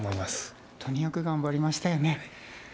本当によく頑張りましたよね。